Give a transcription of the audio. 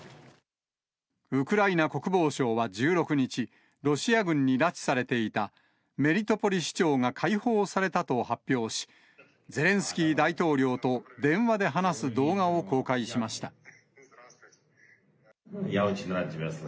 ウクライナ国防省は１６日、ロシア軍に拉致されていたメリトポリ市長が解放されたと発表し、ゼレンスキー大統領と電話で話す動画を公開しました。